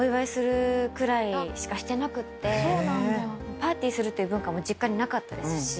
パーティーするっていう文化も実家になかったですし。